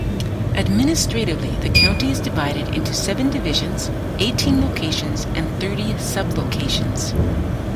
Administratively, the county is divided into seven divisions, eighteen locations and thirty sub-locations.